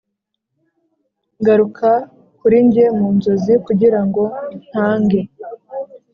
garuka kuri njye mu nzozi, kugira ngo ntange